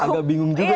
agak bingung juga ya